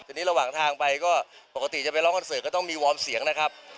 ทีนี้ระหว่างทางไปก็ปกติจะไปร้องคอนเสิร์ตก็ต้องมีวอร์มเสียงนะครับ